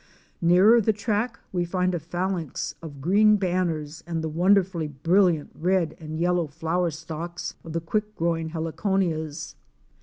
Nearer the track we find a phalanx of green banners and the wonderfully brilliant red and yellow flower stalks of the quick growing heliconias.